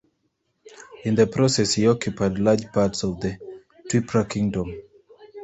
In the process he occupied large parts of the Twipra Kingdom.